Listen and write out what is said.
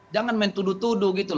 jangan main tudu tudu